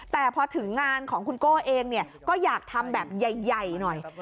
แต่พอถึงงานของคุณก้นเองเนี้ยก็อยากทำแบบใหญ่ใหญ่หน่อย